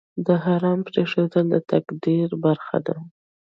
د حرام پرېښودل د تقوی برخه ده.